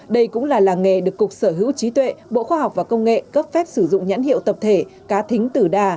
đây cũng là làng nghề được cục sở hữu trí tuệ bộ khoa học và công nghệ cấp phép sử dụng nhãn hiệu tập thể cá thính tử đà